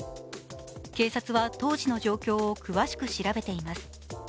警察は、当時の状況を詳しく調べています。